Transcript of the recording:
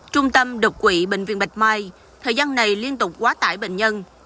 trung tâm đột quỵ bệnh viện bạch mai thời gian này liên tục quá tải bệnh nhân